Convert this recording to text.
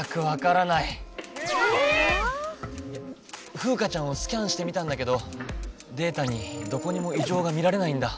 フウカちゃんをスキャンしてみたんだけどデータにどこにもいじょうが見られないんだ。